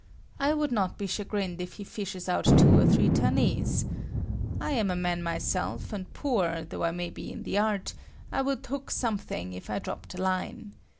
I would not be chagrined if he fishes out two or three tunnies. I am a man myself and poor though I may be in the art, I would hook something if I dropped a line.